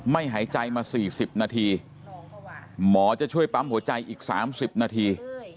หายใจมา๔๐นาทีหมอจะช่วยปั๊มหัวใจอีก๓๐นาที